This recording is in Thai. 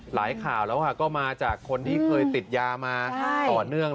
หลายข่าวแล้วก็มาจากคนที่เคยติดยามาต่อเนื่อง